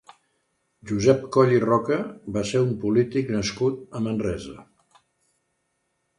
Josep Coll i Roca va ser un polític nascut a Manresa.